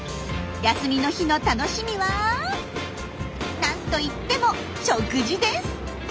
休みの日の楽しみは何といっても食事です！